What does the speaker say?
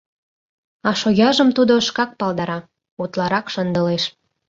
А шояжым тудо шкак палдара — утларак шындылеш.